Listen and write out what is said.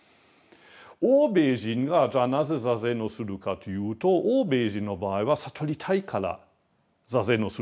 欧米人がじゃあなぜ坐禅をするかというと欧米人の場合は悟りたいから坐禅をする人が多いんですね。